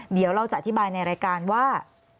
เดี๋ยวเราจะอธิบายในรายการว่า